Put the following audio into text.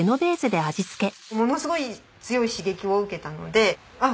ものすごい強い刺激を受けたのであっ